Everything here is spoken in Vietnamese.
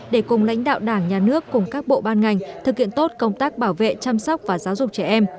để cùng lãnh đạo đảng nhà nước cùng các bộ ban ngành thực hiện tốt công tác bảo vệ chăm sóc và giáo dục trẻ em